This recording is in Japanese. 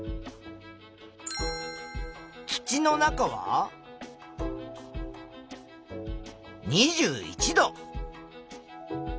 土の中は２１度。